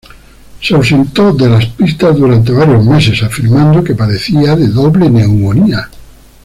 Se ausentó de las pistas durante varios meses, afirmando que padecía de doble neumonía.